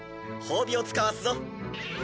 褒美をつかわすぞ。